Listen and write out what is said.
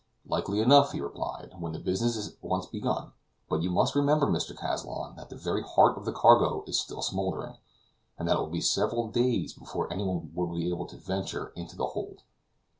"Likely enough," he replied, "when the business is once begun; but you must remember, Mr. Kazallon, that the very heart of the cargo is still smoldering, and that it will still be several days before anyone will be able to venture into the hold.